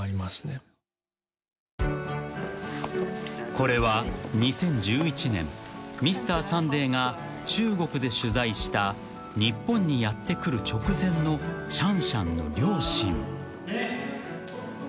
［これは２０１１年『Ｍｒ．サンデー』が中国で取材した日本にやって来る直前のシャンシャンの両親］